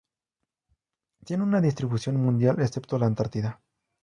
Tiene una distribución mundial, excepto la Antártida.